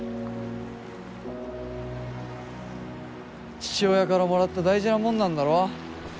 父親からもらった大事なもんなんだろ。